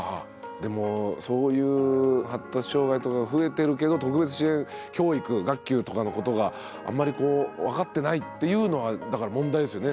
でもそういう発達障害とか増えてるけど特別支援教育・学級とかのことがあんまりこう分かってないっていうのはだから問題ですよね。